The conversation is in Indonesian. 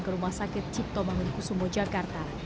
ke rumah sakit cipto mangunkusumo jakarta